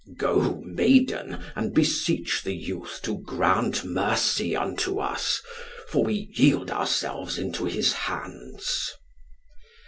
"Go, maiden, and beseech the youth to grant mercy unto us, for we yield ourselves into his hands."